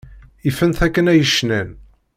Ifen-t akken ay cnan.